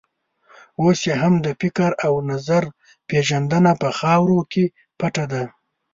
اوس یې هم د فکر او نظر پېژندنه په خاورو کې پټه ده.